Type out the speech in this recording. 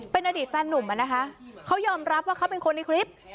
เป็นอดีตแฟนหนุ่มอะนะคะเขายอมรับว่าเขาเป็นคนในคลิป